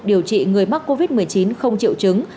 điều trị người mắc covid một mươi chín không triệu chứng